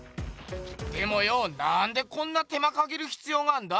でもよなんでこんな手間かけるひつようがあんだ？